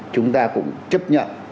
chúng ta cũng chấp nhận